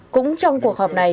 cũng trong cuộc họp này